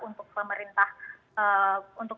untuk pemerintah untuk